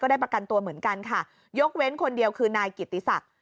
ได้ประกันตัวเหมือนกันค่ะยกเว้นคนเดียวคือนายกิติศักดิ์